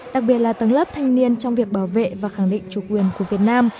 đặc biệt là tấn lấp thanh niên trong việc bảo vệ và khẳng định chủ quyền của việt nam